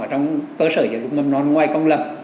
trong cơ sở giáo dục mầm non ngoài công lập